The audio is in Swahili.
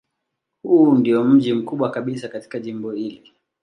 Huu ndiyo mji mkubwa kabisa katika jimbo hili.